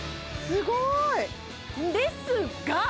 すごい！ですが！